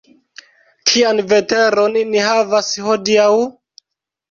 Kian veteron ni havas hodiaŭ?